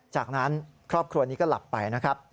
จากนั้นครอบครัวนี้ก็หลับไปนะครับ